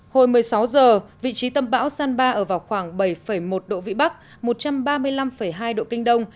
hồi một mươi sáu giờ vị trí tâm bão san ba ở vào khoảng bảy một độ vĩ bắc một trăm ba mươi năm hai độ kinh đông